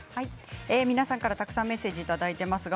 皆さんからたくさんメッセージが届いています。